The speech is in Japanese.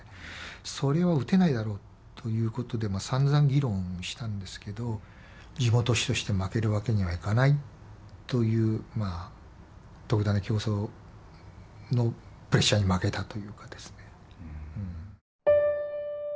それは打てないだろうということでさんざん議論したんですけど地元紙として負けるわけにはいかないという特ダネ競争のプレッシャーに負けたというかですね。